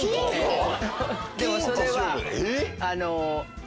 でもそれは。